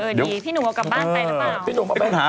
เออดีพี่หนุ่มเอากลับบ้านไปรึเปล่า